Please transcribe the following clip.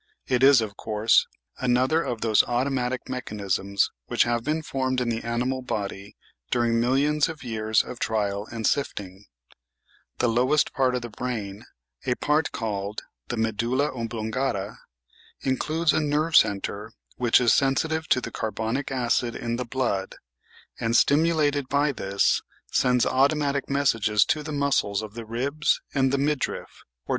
It is, of course, another of those automatic mechanisms which have been formed in the animal body during millions of years of trial and sifting. The lowest part of the brain, a part called the medulla oblongata, includes a nerve centre which is sensitive to the carbonic acid in the blood and, stimulated by this, sends The Arttries ire .